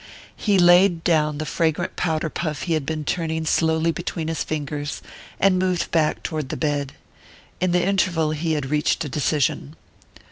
He laid down the fragrant powder puff he had been turning slowly between his fingers, and moved back toward the bed. In the interval he had reached a decision.